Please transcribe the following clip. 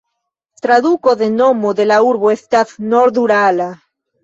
Traduko de nomo de la urbo estas "nord-Urala".